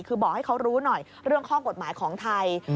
คือบอกให้เขารู้หน่อยเรื่องข้อกฎหมายของไทย